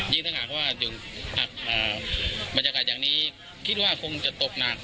ถ้าหากว่าบรรยากาศอย่างนี้คิดว่าคงจะตกหนัก